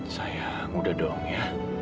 sayang udah dong ya